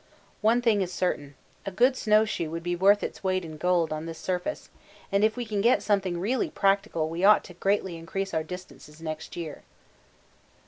One thing is certain. A good snow shoe would be worth its weight in gold on this surface, and if we can get something really practical we ought to greatly increase our distances next year.